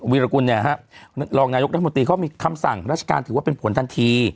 วิรกุลเนี่ยฮะรองนายกรัฐมนตรีเขามีคำสั่งราชการถือว่าเป็นผลทันที